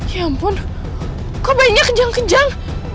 ya ampun kok banyak kejang kejang